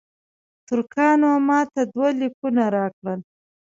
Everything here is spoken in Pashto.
ترکانو ماته دوه لیکونه راکړل.